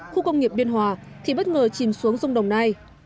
khu công nghiệp biên hòa thì bất ngờ chìm xuống sông đồng nai